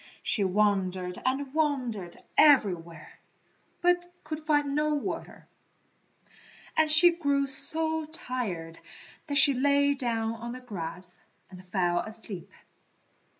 She wandered and wandered everywhere, but could find no water, and she grew so tired that she lay down on the grass and fell asleep.